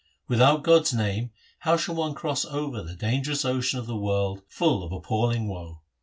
Without God's name how shall one cross over The dangerous ocean of the world full of appalling woe